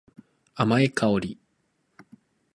甘い香り。